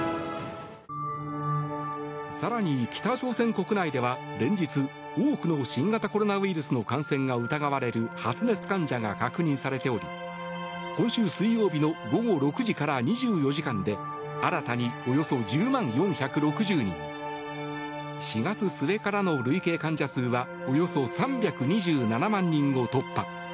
更に、北朝鮮国内では連日多くの新型コロナウイルスの感染が疑われる発熱患者が確認されており今週水曜日の午後６時から２４時間で新たにおよそ１０万４６０人４月末からの累計患者数はおよそ３２７万人を突破。